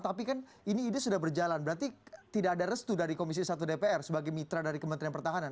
tapi kan ini ide sudah berjalan berarti tidak ada restu dari komisi satu dpr sebagai mitra dari kementerian pertahanan